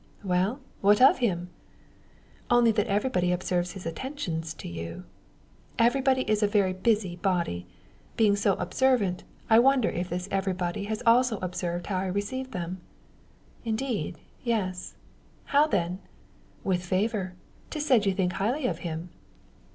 "Well; what of him?" "Only that everybody observes his attentions to you." "Everybody is a very busy body. Being so observant, I wonder if this everybody has also observed how I receive them?" "Indeed, yes." "How then?" "With favour. 'Tis said you think highly of him."